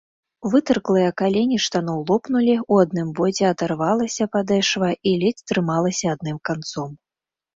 Вытырклыя калені штаноў лопнулі, у адным боце адарвалася падэшва і ледзь трымалася адным канцом.